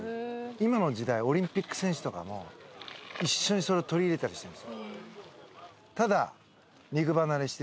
今の時代オリンピック選手とかも一緒にそれを取り入れたりしてるんですよ。